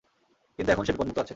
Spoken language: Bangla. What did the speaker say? কিন্তু এখন সে বিপদমুক্ত আছে।